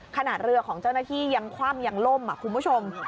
ขนาดเรือของเจ้าหน้าที่ยังคว่ำยังล่มคุณผู้ชม